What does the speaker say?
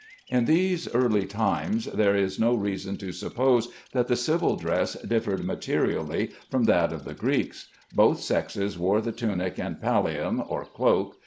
In these early times there is no reason to suppose that the civil dress differed materially from that of the Greeks. Both sexes wore the tunic and pallium (or cloak).